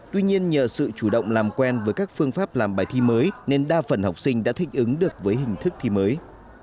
tuy nhiên nhờ sự chủ động làm quen với các phương pháp làm bài thi mới nên đa phần học sinh đã thích ứng được với hình thức thi mới